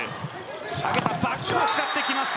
バックを使ってきました。